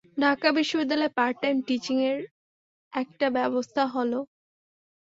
ঢাকা বিশ্ববিদ্যালয়ে part time টীচিং-এর একটা ব্যবস্থা হল।